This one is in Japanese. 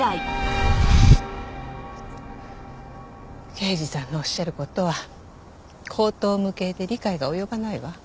刑事さんのおっしゃる事は荒唐無稽で理解が及ばないわ。